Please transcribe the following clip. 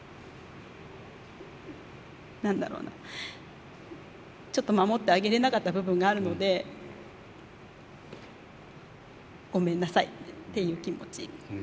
何だろうなちょっと守ってあげれなかった部分があるのでごめんなさいっていう気持ち。